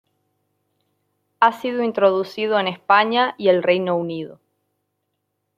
Ha sido introducido en España y el Reino Unido.